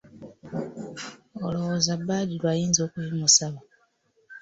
Olowooza Badru ayinza okubimusaba?